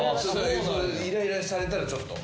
イライラされたらちょっと。